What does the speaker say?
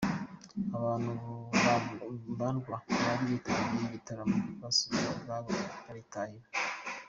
Abantu mbarwa bari bitabiriye igitaramo, basubijwe utwabo baritahira.